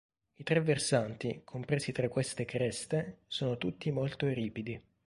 I tre versanti compresi tra queste creste sono tutti molto ripidi.